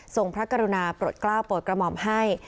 พระกรุณาโปรดกล้าวโปรดกระหม่อมให้